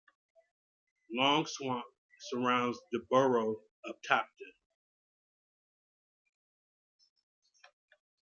Longswamp surrounds the borough of Topton.